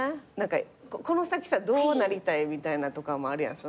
この先どうなりたいみたいなんとかもあるやん。